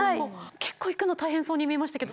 結構行くの大変そうに見えましたけど。